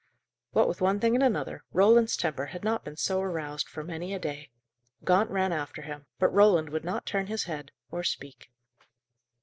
What with one thing and another, Roland's temper had not been so aroused for many a day. Gaunt ran after him, but Roland would not turn his head, or speak.